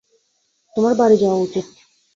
তোমার বাড়ি যাওয়া উচিত।